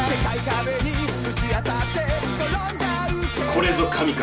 これぞ神回。